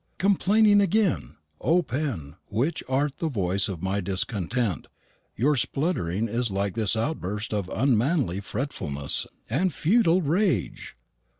Complaining again! O pen, which art the voice of my discontent, your spluttering is like this outburst of unmanly fretfulness and futile rage!